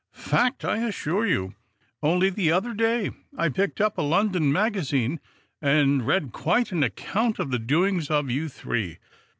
Fact, I assure you. Only the other day I picked up a London magazine and read quite an account of the doings of you three.